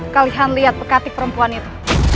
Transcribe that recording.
kalian lihat pekatik perempuan itu